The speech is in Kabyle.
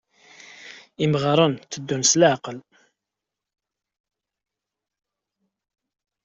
Imɣaren tteddun s leɛqel.